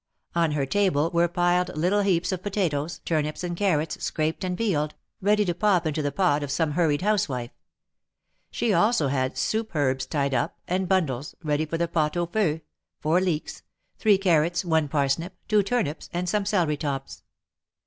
On her table were piled little heaps of potatoes, turnips and carrots, scraped and peeled, ready to pop into the pot of some hurried housewife. She also had soup herbs tied up, and bundles, ready for the pot au feu — four leeks, three carrots, one parsnip, two turnips, and some celery tops.